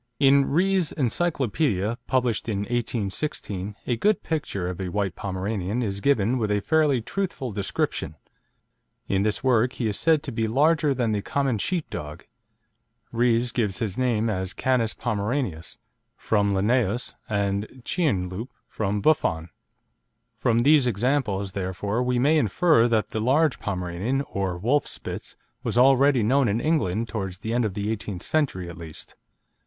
In Rees' Encyclopedia, published in 1816, a good picture of a white Pomeranian is given with a fairly truthful description. In this work he is said to be "larger than the common sheep dog." Rees gives his name as Canis Pomeranius, from Linnaeus, and Chien Loup, from Buffon. From these examples, therefore, we may infer that the large Pomeranian, or Wolf Spitz, was already known in England towards the end of the eighteenth century at least.